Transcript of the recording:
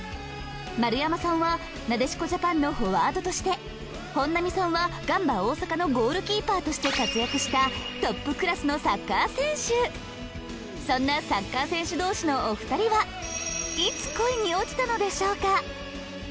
丸山さんはなでしこジャパンのフォワードとして本並さんはガンバ大阪のゴールキーパーとして活躍したそんなサッカー選手同士のお二人はいつ恋に落ちたのでしょうか？